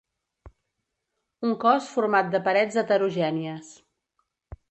Un cos format de parets heterogènies.